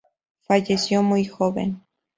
Falleció muy joven.